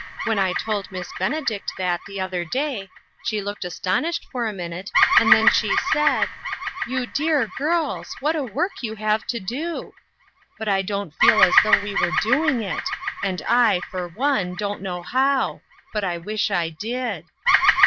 When I told Mi"ss Benedict that the other day, she looked astonished for a minute, and then she said :' You dear girls, OUTSIDE THE CIRCLE. 137 what a work you have to do !' But I don't feel as though we were doing it, and I, for one, don't know how; but I wish I did."